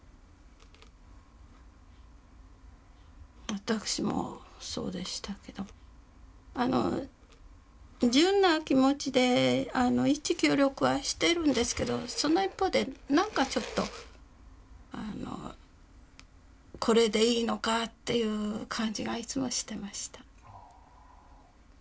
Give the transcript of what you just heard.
私もそうでしたけどあの純な気持ちで一致協力はしてるんですけどその一方で何かちょっとあのこれでいいのかっていう感じがいつもしてました。